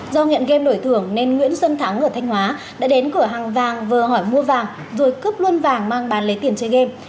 do nghiện game đổi thưởng nên nguyễn xuân thắng ở thanh hóa đã đến cửa hàng vàng vờ hỏi mua vàng rồi cướp luôn vàng mang bán lấy tiền chơi game